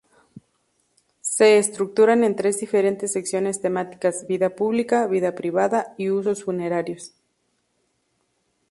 Se estructuran en tres diferentes secciones temáticas: vida pública, vida privada y usos funerarios.